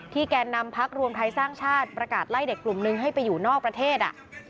แกนนำพักรวมไทยสร้างชาติประกาศไล่เด็กกลุ่มนึงให้ไปอยู่นอกประเทศ